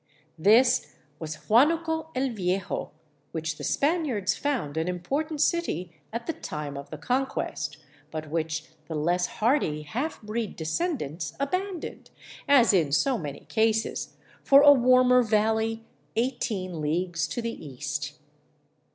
This was " Huanuco el Vie jo," which the Span iards found an important city at the time of the Conquest, but which the less hardy half breed descendants abandoned, as in so many cases, for a warmer valley, eighteen leagues to the east.